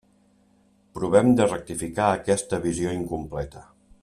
Provem de rectificar aquesta visió incompleta.